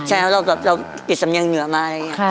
ใช่ครับเราก็ปิดสำเนียงเหนือมา